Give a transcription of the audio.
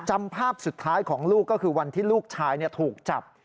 จำภาพสุดท้ายของลูกก็คือวันที่ลูกชายถูกจับ